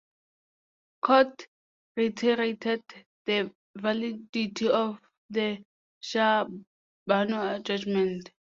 Court reiterated the validity of the Shah Bano judgment.